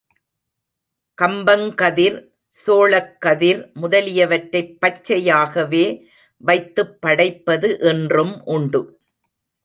கம்பங்கதிர், சோளக்கதிர் முதலியவற்றைப் பச்சையாகவே வைத்துப் படைப்பது இன்றும் உண்டு.